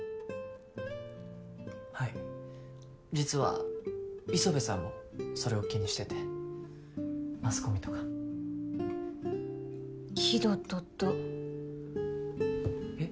はい実は磯部さんもそれを気にしててマスコミとか気取っとっとえっ？